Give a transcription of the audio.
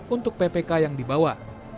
untuk ppk yang dibawa